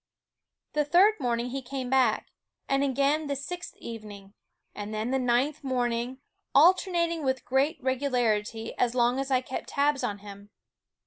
The third morning he came back; and again |( the sixth evening; and then the ninth morn , ing, alternating with great regularity as long as I kept tabs on him.